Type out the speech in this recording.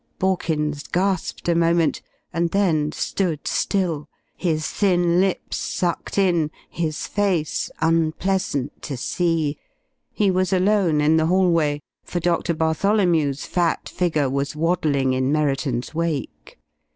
Borkins gasped a moment, and then stood still, his thin lips sucked in, his face unpleasant to see. He was alone in the hallway, for Doctor Bartholomew's fat figure was waddling in Merriton's wake.